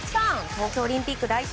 東京オリンピック代表